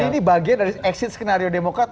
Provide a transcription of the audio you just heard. ini bagian dari exit skenario demokrat